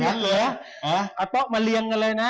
เหรอเอาโต๊ะมาเรียงกันเลยนะ